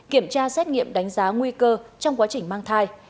kiểm tra xét nghiệm đánh giá nguy cơ trong quá trình mang thai